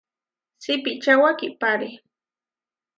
Sipiča wakipáre.